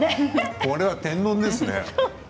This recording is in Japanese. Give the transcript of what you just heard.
これは天丼ですね。